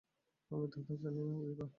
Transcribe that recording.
আমি ধাঁধা জানি না দিপা।